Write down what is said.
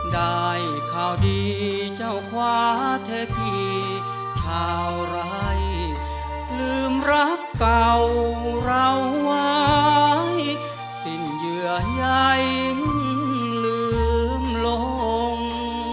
ได้ข่าวดีเจ้าคว้าเทพีชาวไรลืมรักเก่าเราไว้สิ่งเหยื่อใยลืมลง